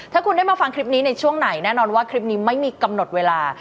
ถ้าคุณได้มาฟังคลิปนี้ในช่วงไหนแน่นอนว่าคลิปนี้ไม่มีกำหนดเวลา